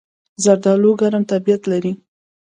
زردالو ګرم طبیعت لري.